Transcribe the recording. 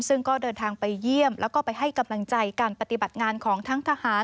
ซึ่งก็เดินทางไปเยี่ยมแล้วก็ไปให้กำลังใจการปฏิบัติงานของทั้งทหาร